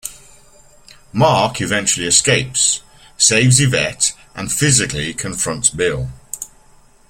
Mark eventually escapes, saves Yvette, and physically confronts Bill.